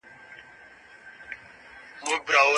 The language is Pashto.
د تدبر له لاري انسانان د توحيد بنسټ پيژني.